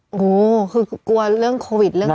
โอ้โหคือกลัวเรื่องโควิดเรื่อง